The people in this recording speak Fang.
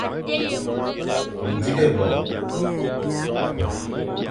O dighé bo.